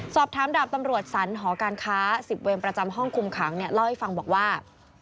สอบถามดาบตำรวจสันหอการค้า๑๐เวรประจำห้องคุมขังเล่าให้ฟังบอกว่า